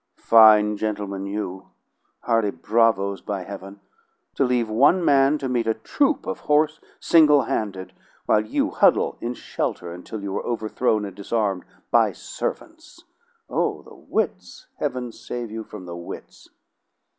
Fine gentlemen you; hardy bravos, by heaven! to leave one man to meet a troop of horse single handed, while you huddle in shelter until you are overthrown and disarmed by servants! Oh, the wits! Heaven save you from the wits!"